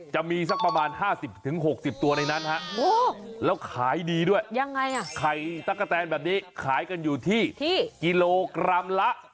สักประมาณ๕๐๖๐ตัวในนั้นฮะแล้วขายดีด้วยยังไงไข่ตะกะแตนแบบนี้ขายกันอยู่ที่กิโลกรัมละ